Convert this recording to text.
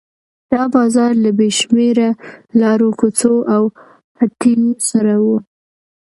دا بازار له بې شمېره لارو کوڅو او هټیو سره و.